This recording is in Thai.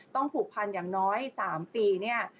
ต้องผูกพันอย่างน้อย๓ปี